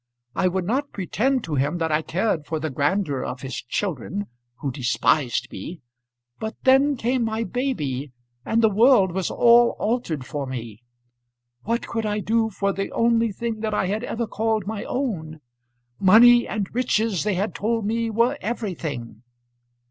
I would not pretend to him that I cared for the grandeur of his children who despised me. But then came my baby, and the world was all altered for me. What could I do for the only thing that I had ever called my own? Money and riches they had told me were everything."